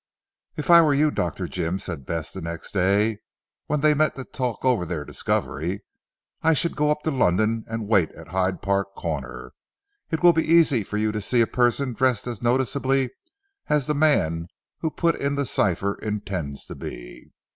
"If I were you Dr. Jim," said Bess the next day, when they met to talk over their discovery, "I should go up to London and wait at Hyde Park Corner. It will be easy for you to see a person dressed as noticeably as the man who put in the cipher intends to be.